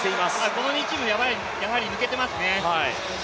この２チーム、やはり抜けていますね。